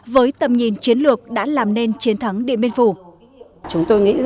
với tầm nhìn chiến lược đã làm nên chiến thắng điện biên phủ